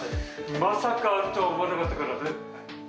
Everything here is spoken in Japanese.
まさかあるとは思わなかったからね。